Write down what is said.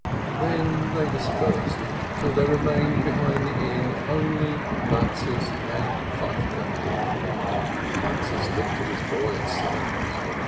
Then they dispersed, till there remained behind the inn only Mattes and Feivke. Mat tes looked at his boy in silence.